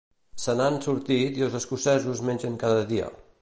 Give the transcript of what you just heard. Se n'han sortit i els escocesos mengen cada dia.